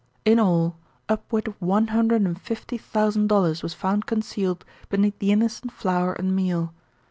In all, upward of one hundred and fifty thousand dollars was found concealed beneath the innocent flour and meal.